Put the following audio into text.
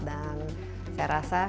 dan saya rasa